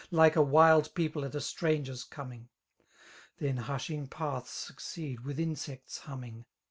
Like a wild people at a «4yai|ger'6 coiBlngi .: .Then hushing paths succeed, with tnsecta hamming.